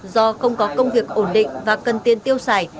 do không có công việc ổn định và cần tiền tiêu xài